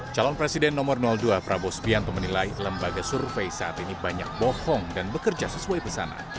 calon presiden nomor dua prabowo sbianto menilai lembaga survei saat ini banyak bohong dan bekerja sesuai pesanan